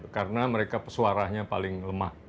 karena mereka pesuaranya paling lemah